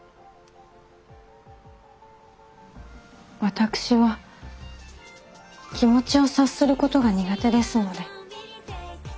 私は気持ちを察することが苦手ですので。